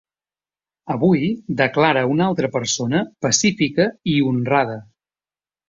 Avui declara una altra persona pacífica i honrada.